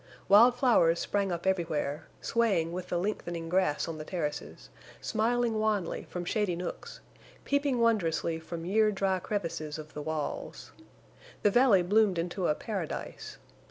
Wild flowers sprang up everywhere, swaying with the lengthening grass on the terraces, smiling wanly from shady nooks, peeping wondrously from year dry crevices of the walls. The valley bloomed into a paradise.